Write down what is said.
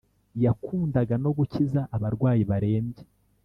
Yakundaga no gukiza abarwayi barembye